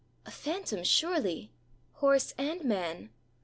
A phantom surely horse and man!